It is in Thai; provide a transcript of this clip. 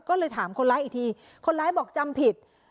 ก็เลยถามคนร้ายอีกทีคนร้ายบอกจำผิด